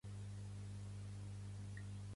Us desitgem un molt bon estiu a totes i tots.